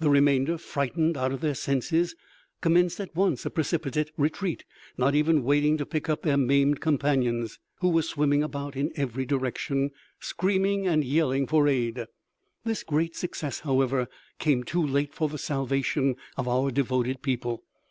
The remainder, frightened out of their senses, commenced at once a precipitate retreat, not even waiting to pick up their maimed companions, who were swimming about in every direction, screaming and yelling for aid. This great success, however, came too late for the salvation of our devoted people.